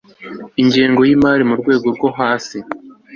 ingengo y imari mu rwego rwo hasi